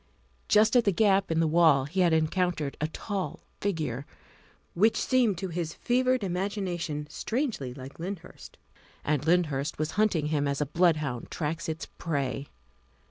Just at the gap in the wall he had encountered a tall figure, which seemed to his fevered imagination strangely like Lyndhurst, and Lyndhurst was hunting him as a bloodhound tracks its prey.